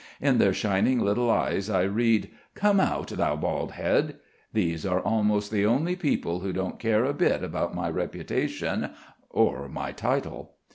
In their shining little eyes I read, "Come out, thou bald head." These are almost the only people who don't care a bit about my reputation or my title.